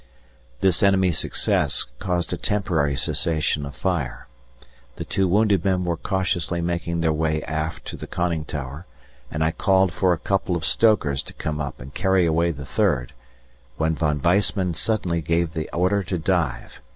This enemy success caused a temporary cessation of fire. The two wounded men were cautiously making their way aft to the conning tower, and I called for a couple of stokers to come up and carry away the third, when Von Weissman suddenly gave the order to dive.